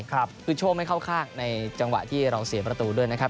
คือโชคไม่เข้าข้างในจังหวะที่เราเสียประตูด้วยนะครับ